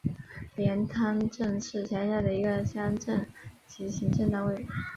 连滩镇是下辖的一个乡镇级行政单位。